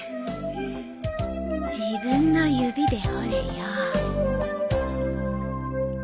自分の指でほれよー。